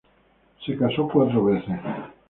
Él se casó cuatro veces.